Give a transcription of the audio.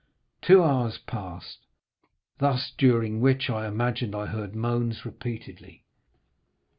Two hours passed thus, during which I imagined I heard moans repeatedly.